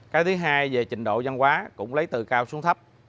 cái thứ hai về trình độ văn hóa cũng lấy từ cao xuống thấp